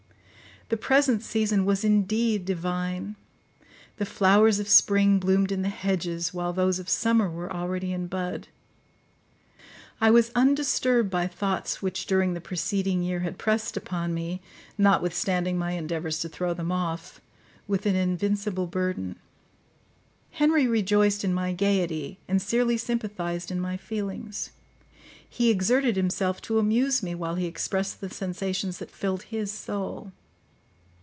The present season was indeed divine; the flowers of spring bloomed in the hedges, while those of summer were already in bud. I was undisturbed by thoughts which during the preceding year had pressed upon me, notwithstanding my endeavours to throw them off, with an invincible burden. Henry rejoiced in my gaiety, and sincerely sympathised in my feelings: he exerted himself to amuse me, while he expressed the sensations that filled his soul.